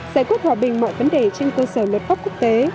giải quyết hòa bình mọi vấn đề trên cơ sở luật pháp quốc tế